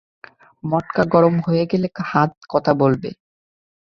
মটকা গরম হয়ে গেলে হাত কথা বলবে।